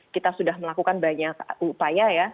kita sudah melakukan banyak upaya ya